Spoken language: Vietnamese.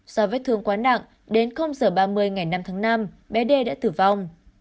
do vết thương quá nặng đến giờ ba mươi ngày năm tháng năm bé d đã tử vong